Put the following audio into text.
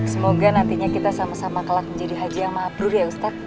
semoga nantinya kita sama sama kelak menjadi haji yang mabrur ya ustadz